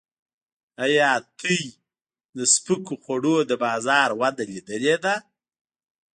ایا تاسو د سپکو خوړو د بازار وده لیدلې ده؟